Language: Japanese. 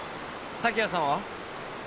滝谷さんは？